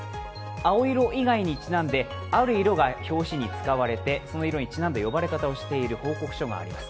青色以外にちなんである色が表紙に使われてその色にちなんで呼ばれていた表紙があります。